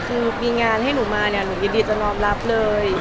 คือมีงานให้หนูมาเนี่ยหนูยินดีจะน้อมรับเลย